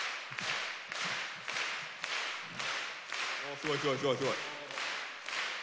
すごいすごいすごい！